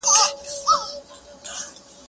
پاکوالي وساته؟!